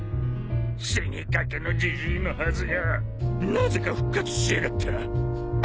死にかけのジジイのはずがなぜか復活しやがった。